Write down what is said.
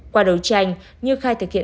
qua đấu tranh như khai thực hiện